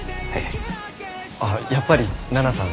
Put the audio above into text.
あっやっぱり奈々さん